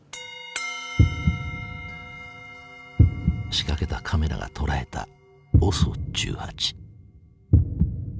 仕掛けたカメラが捉えたＯＳＯ１８。